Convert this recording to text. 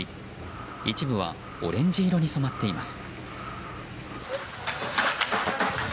一部はオレンジ色に染まっています。